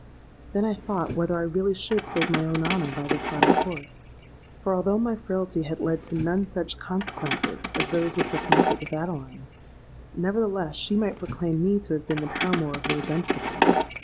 Then I thought whether I really should save my own honour by this latter course; for, although my frailty had led to none such consequences as those which were connected with Adeline, nevertheless she might proclaim me to have been the paramour of Lord Dunstable.